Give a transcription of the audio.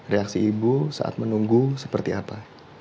reaksi ibu saat menunggu seperti apa